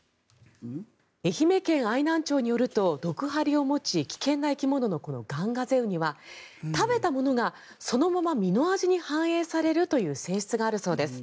愛媛県愛南町によると毒針を持ち危険な生き物のこのガンガゼウニは食べたものがそのまま身の味に反映されるという性質があるそうです。